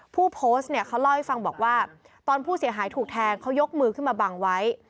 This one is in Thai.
ผู้โพสต์เนี่ยเขาเล่าให้ฟังบอกว่าตอนผู้เสียหายถูกแทงเขายกมือขึ้นมาบังไว้